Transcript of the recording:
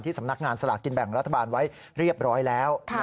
สำนักงานสลากกินแบ่งรัฐบาลไว้เรียบร้อยแล้ว